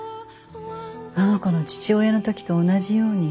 あの子の父親の時と同じように。